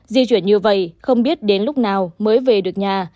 di chuyển như vậy không biết đến lúc nào mới về được nhà